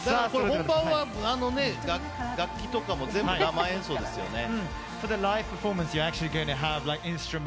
本番は楽器とかも全部、生演奏ですよね。